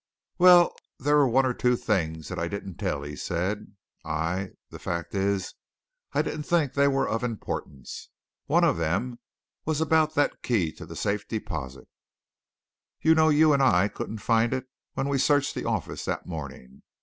"Well, there were one or two things that I didn't tell," he said. "I the fact is, I didn't think they were of importance. One of them was about that key to the Safe Deposit. You know you and I couldn't find it when we searched the office that morning.